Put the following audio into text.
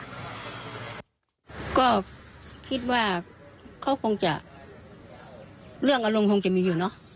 ก็คิดว่าเขาคงจะเรื่องอารมณ์คงจะมีอยู่เนอะ